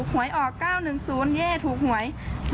หวยออก๙๑๐เย่ถูกหวย